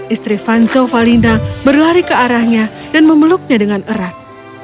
istri fanzo valinda berlari ke arahnya dan memeluknya dengan erat